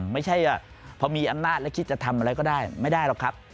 ไม่ใช่พอมีอำนาจแล้วคิดจะทำอะไรก็ได้ไม่ได้หรอกครับ